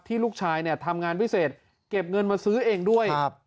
ลูกชายเนี่ยทำงานพิเศษเก็บเงินมาซื้อเองด้วย